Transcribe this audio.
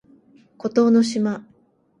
孤島の島